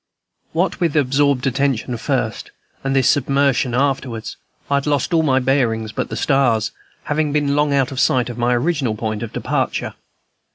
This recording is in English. What with absorbed attention first, and this submersion afterwards, I had lost all my bearings but the stars, having been long out of sight of my original point of departure.